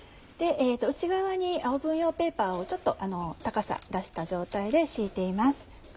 内側にオーブン用ペーパーをちょっと高さ出した状態で敷いています。